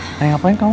pengen ngapain kamu